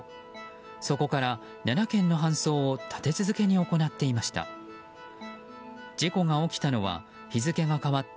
そこから７件の搬送を立て続けに行っていました。